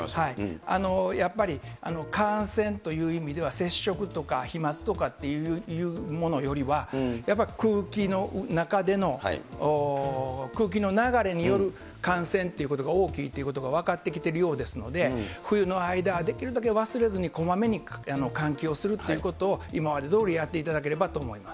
やっぱり、感染という意味では、接触とか飛まつとかっていうものよりは、やっぱ空気の中での、空気の流れによる感染ということが大きいということが分かってきてるようですので、冬の間、できるだけ忘れずにこまめに換気をするっていうことを、今までどおりやっていただければと思います。